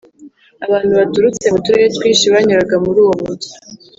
abantu baturutse mu turere twinshi banyuraga muri uwo mujyi,